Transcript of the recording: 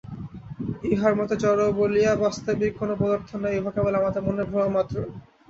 ইঁহার মতে জড় বলিয়া বাস্তবিক কোন পদার্থ নাই, উহা কেবল আমাদের মনের ভ্রমমাত্র।